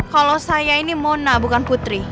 kalau saya ini mona bukan putri